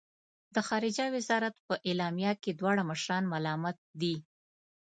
د خارجه وزارت په اعلامیه کې دواړه مشران ملامت دي.